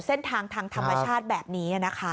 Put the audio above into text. เส้นทางทางธรรมชาติแบบนี้นะคะ